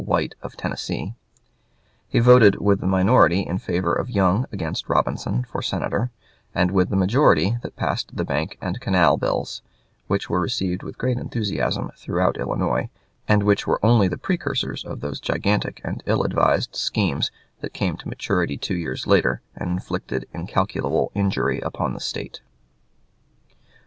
White, of Tennessee; he voted with the minority in favor of Young against Robinson for senator, and with the majority that passed the Bank and Canal bills, which were received with great enthusiasm throughout Illinois, and which were only the precursors of those gigantic and ill advised schemes that came to maturity two years later, and inflicted incalculable injury upon the State.